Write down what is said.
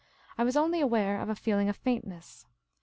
I was only aware of a feeling of faintness.